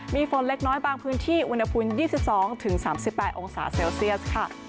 มีฝนเล็กน้อยบางพื้นที่อุณหภูมิ๒๒๓๘องศาเซลเซียสค่ะ